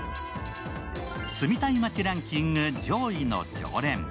住みたい街ランキング上位の常連。